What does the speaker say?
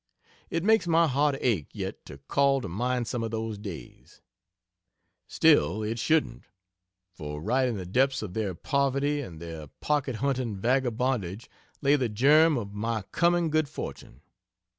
It makes my heart ache yet to call to mind some of those days. Still, it shouldn't for right in the depths of their poverty and their pocket hunting vagabondage lay the germ of my coming good fortune.